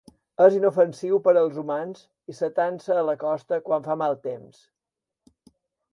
És inofensiu per als humans i s'atansa a la costa quan fa mal temps.